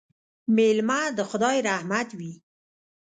مېلمه د خدای رحمت وي